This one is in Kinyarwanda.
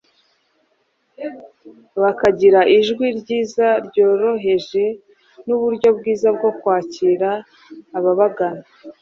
bakagira ijwi ryiza ryoroheje n’uburyo bwiza bwo kwakira ababagana